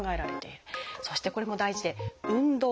そしてこれも大事で「運動」。